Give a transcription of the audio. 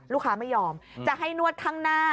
ลูกค้าไม่ยอมจะให้นวดข้างหน้า